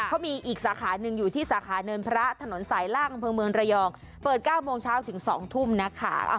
เขามีอีกสาขาหนึ่งอยู่ที่สาขาเนินพระถนนสายล่างอำเภอเมืองระยองเปิด๙โมงเช้าถึง๒ทุ่มนะคะ